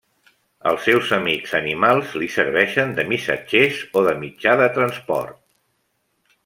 Els seus amics animals li serveixen de missatgers o de mitjà de transport.